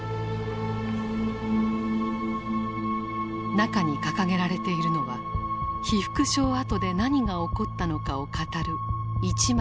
中に掲げられているのは被服廠跡で何が起こったのかを語る１枚の絵。